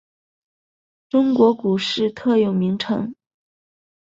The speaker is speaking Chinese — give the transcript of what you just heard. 中国股市特有名称。